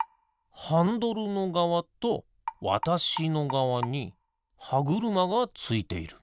ハンドルのがわとわたしのがわにはぐるまがついている。